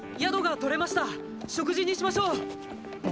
食事にしましょう！